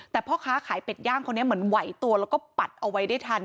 แต่พ่อค้าขายเป็ดย่างคนนี้เหมือนไหวตัวแล้วก็ปัดเอาไว้ได้ทัน